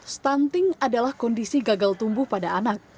stunting adalah kondisi gagal tumbuh pada anak